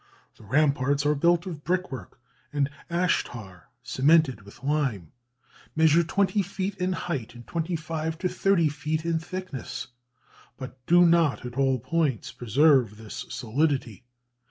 The ramparts are built of brickwork and ash tar cemented with lime; measure twenty feet in height, and twenty five to thirty feet in thickness; but do not at all points preserve this solidity.